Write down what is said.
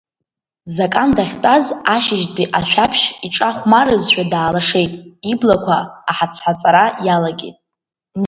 Закан дахьтәаз ашьыжьтәи ашәаԥшь иҿахәмарызшәа даалашеит, иблақәа аҳаҵҳаҵара иалагеит.